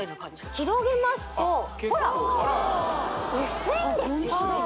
広げますとほら薄いんですよ